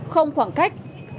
không khoảng cách